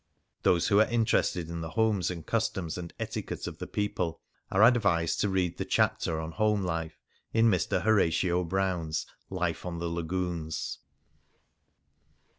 Those who are interested in the homes and customs and etiquette of the people are advised to read the chapter on home life in Mr. Horatio Brown's "• Life on the Lagoons.""